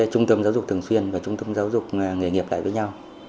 trung tâm giáo dục thường xuyên và trung tâm giáo dục nghề nghiệp lại với nhau